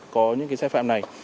có những cái xe phạm này